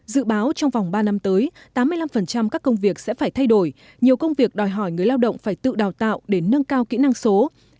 dự báo trong vòng ba năm tới tám mươi năm các công việc sẽ phải thay đổi nhiều công việc đòi hỏi người lao động phải tự đào tạo để nâng cao kỹ năng số